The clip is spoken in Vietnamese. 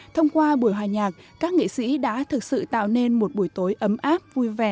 thông qua buổi hòa nhạc các nghệ sĩ đã thực sự tạo nên một buổi tối ấm áp vui vẻ